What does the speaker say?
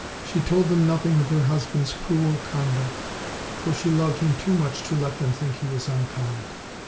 She told them nothing of her husband's cruel conduct, for she loved him too much to let them think he was unkind.